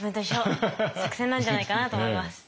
作戦なんじゃないかなと思います。